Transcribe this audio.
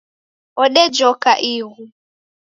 Odejoka ighu